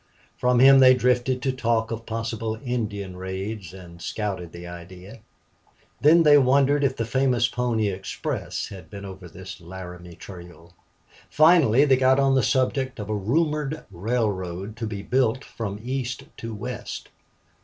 From him they drifted to talk of possible Indian raids and scouted the idea; then they wondered if the famous Pony Express had been over this Laramie Trail; finally they got on the subject of a rumored railroad to be built from East to West.